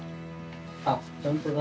あっ本当だ。